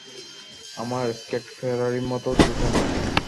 আমার স্কেট ফেরারির মত দ্রুত নয়।